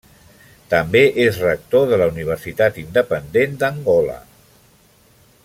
També és rector de la Universitat Independent d'Angola.